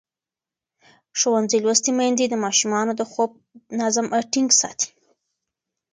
ښوونځې لوستې میندې د ماشومانو د خوب نظم ټینګ ساتي.